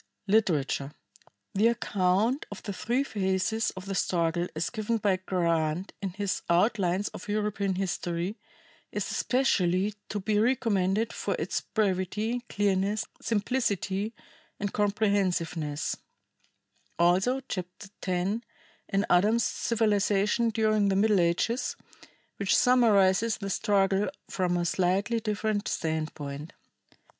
Literature. The account of the three phases of the struggle as given by Grant in his "Outlines of European History," is especially to be recommended for its brevity, clearness, simplicity and comprehensiveness; also Chapter X in Adams's "Civilization During the Middle Ages," which summarizes the struggle from a slightly different standpoint.